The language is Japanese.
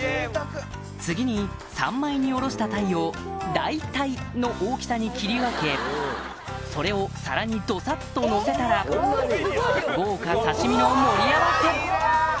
次に三枚におろしたタイをだいタイの大きさに切り分けそれを皿にドサっとのせたら豪華刺し身の盛り合わせ